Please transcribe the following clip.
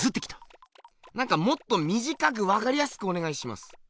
もっとみじかくわかりやすくおねがいします！